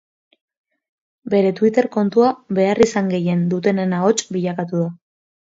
Bere twitter kontua beharrizan gehien dutenen ahots bilakatu da.